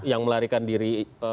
yang melarikan diri